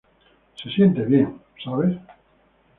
Se siente bien, ¿sabes?